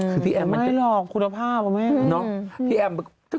คือพี่แอมมันเป็นไม่หรอกคุณภาพว่ะแม่